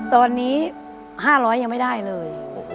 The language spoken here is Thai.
ตอนนี้๕๐๐ยังไม่ได้เลย